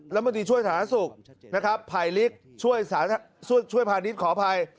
ลังพลังติช่วยศาลนัฏศุกร์นะครับภัยฤทธิ์ช่วยภาณิชย์ขอบภัย